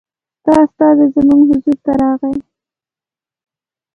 ستا استازی زموږ حضور ته راغی.